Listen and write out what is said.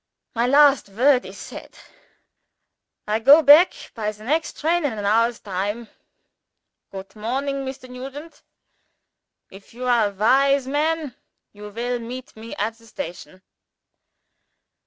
My last word is said. I go back by the next train, in an hour's time. Good morning, Mr. Nugent. If you are a wise man, you will meet me at the station."